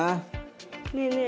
ねえねえ。